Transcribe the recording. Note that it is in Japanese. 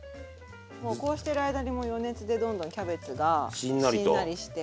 もうこうしてる間にも余熱でどんどんキャベツがしんなりしてしんなりと。